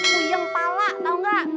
uyung pala tau gak